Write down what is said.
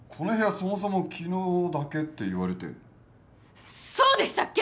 そもそも昨日だけって言われてそうでしたっけ？